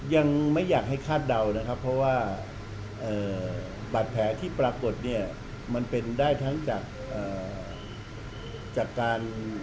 ยังไม่อยากให้คาดเดานะครับเพราะว่าบาดแผลที่ปรากฏเนี่ยมันเป็นได้ทั้งจากการ